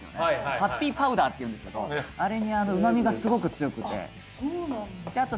ハッピーパウダーっていうんですけどあれにうまみがすごく強くてそうなんですね